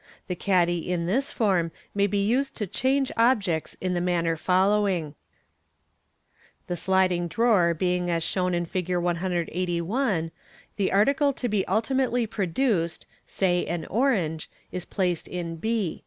The caddy in this form may be used to " change " objects in manner following: — The sliding drawer being as shown in Fig. 181, the article to be ultimately pro duced (say an orange) is placed in b.